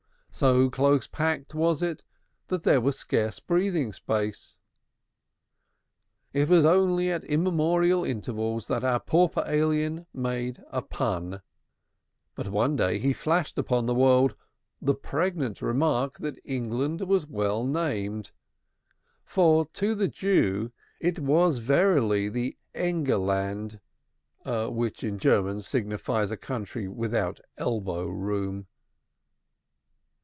So close packed was it that there was scarce breathing space. It was only at immemorial intervals that our pauper alien made a pun, but one day he flashed upon the world the pregnant remark that England was well named, for to the Jew it was verily the Enge Land, which in German signifies the country without elbow room.